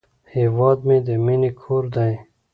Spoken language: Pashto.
هیواد مې د مینې کور دی